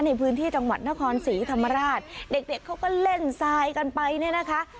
ในพื้นที่จังหวัดนครศรีธรรมราชเด็กเด็กเขาก็เล่นทรายกันไปเนี่ยนะคะ